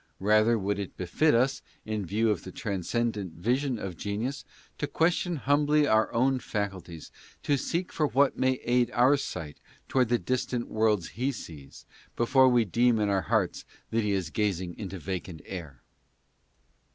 Rather would it befit us, in view of the transcendent vision of genius, to question humbly our own faculties, or seek for what may aid our sight toward the distant worlds he sees, before we deem in our hearts that he is gazing into vacant air.